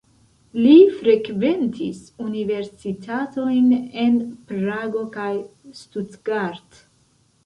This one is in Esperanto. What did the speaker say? Li frekventis universitatojn en Prago kaj Stuttgart.